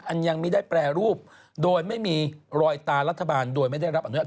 ยังไม่ได้แปรรูปโดยไม่มีรอยตารัฐบาลโดยไม่ได้รับอนุญาต